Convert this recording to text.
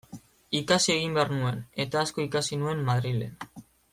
Ikasi egin behar nuen, eta asko ikasi nuen Madrilen.